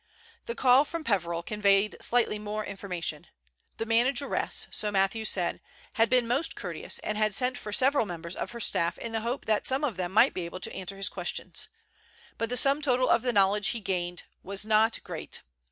The call from the Peveril conveyed slightly more information. The manageress, so Matthews said, had been most courteous and had sent for several members of her staff in the hope that some of them might be able to answer his questions. But the sum total of the knowledge he had gained was not great.